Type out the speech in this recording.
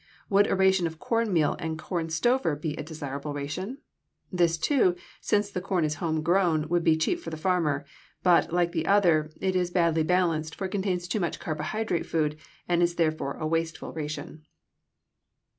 Would a ration of corn meal and corn stover be a desirable ration? This, too, since the corn is home grown, would be cheap for the farmer; but, like the other, it is badly balanced, for it contains too much carbohydrate food and is therefore a wasteful ration.